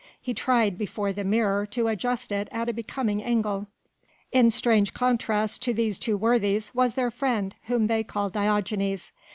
He tried, before the mirror, to adjust it at a becoming angle. In strange contrast to these two worthies was their friend whom they called Diogenes.